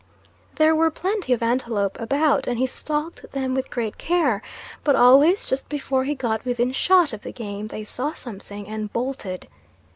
There were plenty of antelope about, and he stalked them with great care; but always, just before he got within shot of the game, they saw something and bolted.